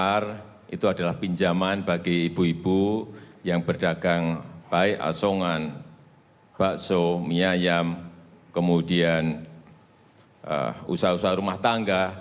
program mekar itu adalah pinjaman bagi ibu ibu yang berdagang baik asongan bakso miayam kemudian usaha usaha rumah tangga